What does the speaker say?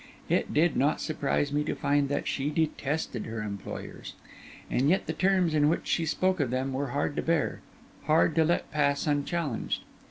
It did not surprise me to find that she detested her employers; and yet the terms in which she spoke of them were hard to bear, hard to let pass unchallenged.